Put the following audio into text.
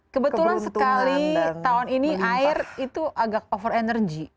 kebetulan sekali tahun ini air itu agak over energy